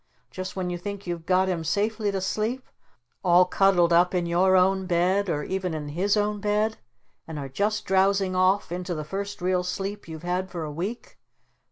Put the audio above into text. Just when you think you've got him safely to sleep all cuddled up in your own bed or even in his own bed and are just drowsing off into the first real sleep you've had for a week